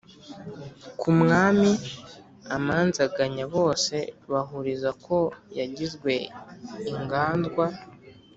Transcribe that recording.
kumwami amanzanganyaBose bahuriza ko yagizwe inganzwa